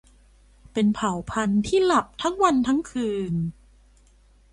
เป็นเผ่าพันธุ์ที่หลับทั้งวันทั้งคืน